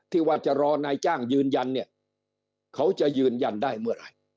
ที่ว่าจะรอนายจ้างยืนยันเนี่ยเขาจะยืนยันได้เมื่อไหร่